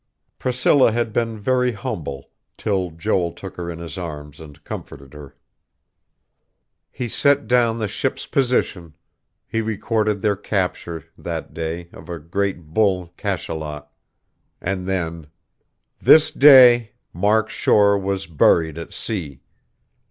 Priscilla had been very humble, till Joel took her in his arms and comforted her.... He set down the ship's position; he recorded their capture, that day, of a great bull cachalot; and then: "... This day Mark Shore was buried at sea.